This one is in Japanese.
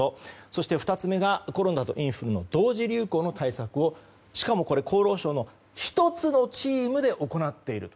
そして２つ目がコロナとインフルの同時流行の対策をしかも、厚労省の１つのチームで行っている。